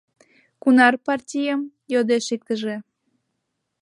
— Кунар партийым? — йодеш иктыже.